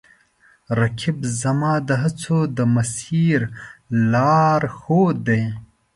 رقیب زما د هڅو د مسیر لارښود دی